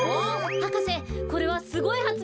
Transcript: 博士これはすごいはつめいですよ。